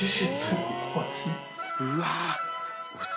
うわ。